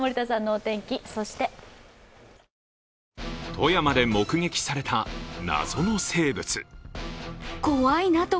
富山で目撃された謎の生物。